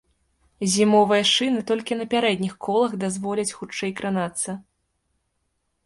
Зімовыя шыны толькі на пярэдніх колах дазволяць хутчэй кранацца.